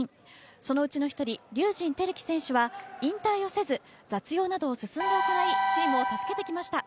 そのうちの１人竜神輝季選手は引退をせず雑用などを進んで行いチームを助けてきました。